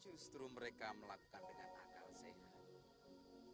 justru mereka melakukan dengan akal sehat